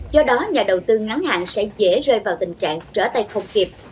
do đó nhà đầu tư ngắn hạn sẽ dễ rơi vào tình trạng trở tay không kịp